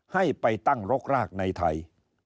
ให้ไปตั้งรกรากในไทย